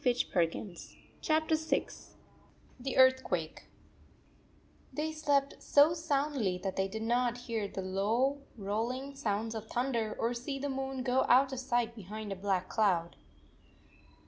VI THE EARTHQUAKE \\,\\\\ VI THE EARTHQUAKE i THEY slept so soundly that they did not hear low rolling sounds of thunder or see the moon go out of sight behind a black cloud.